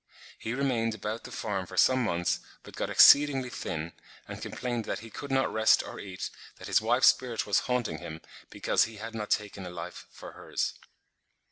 He remained about the farm for some months, but got exceedingly thin, and complained that he could not rest or eat, that his wife's spirit was haunting him, because he had not taken a life for hers.